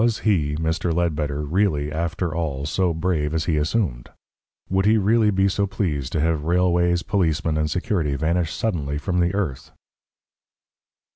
Was he Mr. Ledbetter really, after all, so brave as he assumed? Would he really be so pleased to have railways, policemen, and security vanish suddenly from the earth?